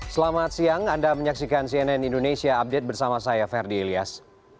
selamat siang anda menyaksikan cnn indonesia update bersama saya ferdi ilyas